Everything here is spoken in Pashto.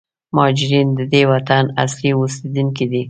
مهارجرین د دې وطن اصلي اوسېدونکي دي.